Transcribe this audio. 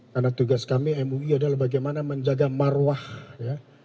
karena tugas kami mui adalah bagaimana menjaga marwah ya